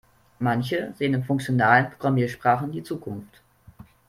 Manche sehen in funktionalen Programmiersprachen die Zukunft.